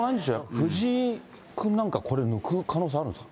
藤井君なんか、これ、抜く可能性あるんですか。